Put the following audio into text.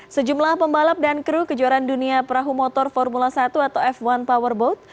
sejumlah pembalap dan kru kejuaraan dunia perahu motor formula satu atau f satu powerboat